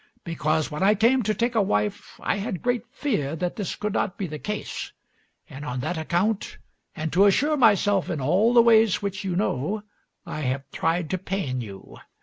Because when I came to take a wife I had great fear that this could not be the case, and on that account, and to assure myself in all the ways which you know, I have tried to pain you.